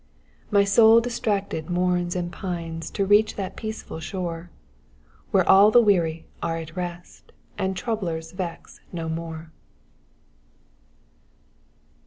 My soul distracted mourns and pines To reach that peaceful shore, Where all the weary are at rosL And troublers vex no more.